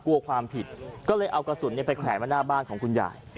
กลัวความผิดก็เลยเอากระสุนไปแขวนมาหน้าบ้านของคุณยาย